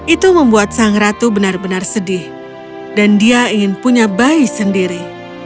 itu membuat sang ratu benar benar sedih dan dia ingin punya bayi sendiri